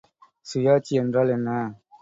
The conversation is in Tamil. சுயாட்சி என்றால் என்ன?